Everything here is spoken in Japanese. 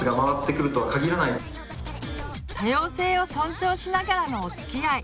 多様性を尊重しながらのおつきあい。